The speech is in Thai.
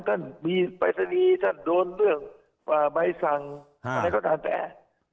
ด้านนั้นมีไปซะดีทันโดนเรื่องว่าใบซังอะไรก็นั้นแปล